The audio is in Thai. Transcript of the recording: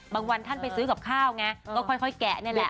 วันท่านไปซื้อกับข้าวไงก็ค่อยแกะนี่แหละ